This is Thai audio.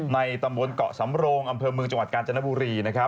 ตำบลเกาะสำโรงอำเภอเมืองจังหวัดกาญจนบุรี